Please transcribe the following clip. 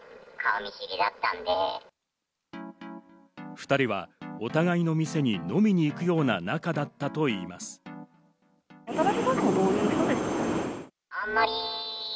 ２人はお互いの店に飲みに行くような仲だったといいます。